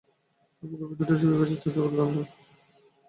তার বুকের ভিতরটা শুকিয়ে গেছে, তার চোখে জল নেই।